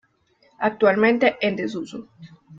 Actualmente en desuso.